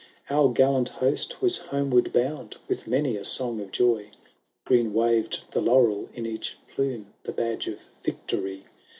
IV Our gallant host was homeward bound With many a song of joy ; Green waved the laurel in each plume, The badge of victory.